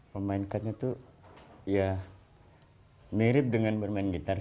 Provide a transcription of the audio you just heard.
memainkannya tuh ya mirip dengan bermain gitar